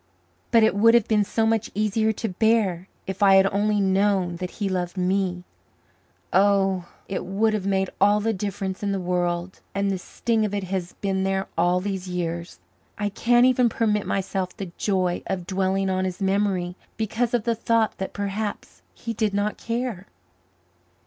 But it would have been so much easier to bear if I had only known that he loved me oh, it would have made all the difference in the world. And the sting of it has been there all these years. I can't even permit myself the joy of dwelling on his memory because of the thought that perhaps he did not care."